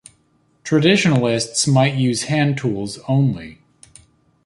Traditionalists might use hand tools only.